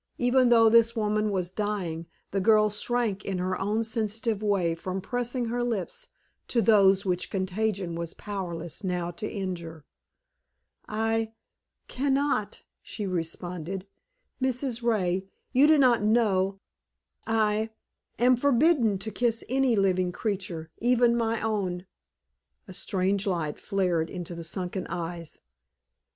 Even though this woman was dying, the girl shrank in her own sensitive way from pressing her lips to those which contagion was powerless now to injure. "I can not," she responded. "Mrs. Ray, you do not know I am forbidden to kiss any living creature, even my own." A strange light flared into the sunken eyes.